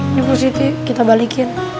ini pak siti kita balikin